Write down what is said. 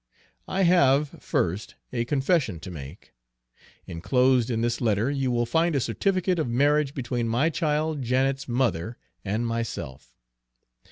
I have, first, a confession to make. Inclosed in this letter you will find a certificate of marriage between my child Janet's mother and myself.